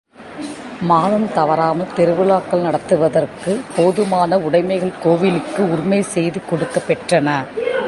மாதந் தவறாமல் திருவிழாக்கள் நடத்துவதற்குப் போதுமான உடைமைகள் கோவிலுக்கு உரிமை செய்து கொடுக்கப் பெற்றன.